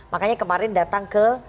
makanya kemarin datang ke